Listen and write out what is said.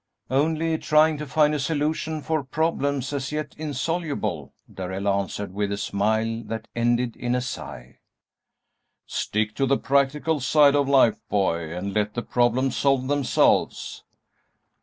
"Only trying to find a solution for problems as yet insoluble," Darrell answered, with a smile that ended in a sigh. "Stick to the practical side of life, boy, and let the problems solve themselves."